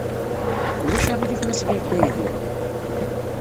Ulac aɣilif ma sɣiɣ-d aydi?